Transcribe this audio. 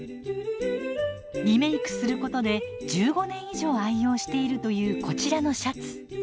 リメークすることで１５年以上愛用しているというこちらのシャツ。